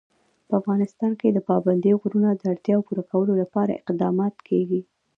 په افغانستان کې د پابندی غرونه د اړتیاوو پوره کولو لپاره اقدامات کېږي.